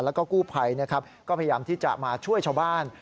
แล้วก็กู้ภัยนะครับก็พยายามที่จะมาช่วยชาวบ้าน